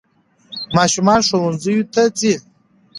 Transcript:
ماشومان ښوونځیو ته ځي.